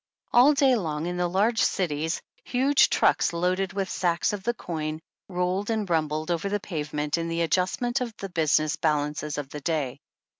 All day long in the large cities, huge trucks loaded with sacks of the coin rolled and rumbled over the pavement in the adjustment of the business balances of the day.